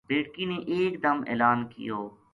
بیٹکی نے ایک دم اعلان کیو